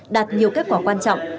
đạt nhiều kết quả quan trọng